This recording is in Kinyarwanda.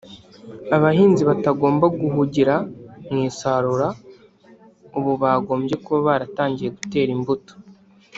abahinzi batagomba guhugira mu isarura ahubwo ubu bagombye kuba baratangiye gutera imbuto